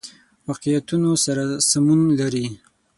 واقعیتونو سره سمون لري.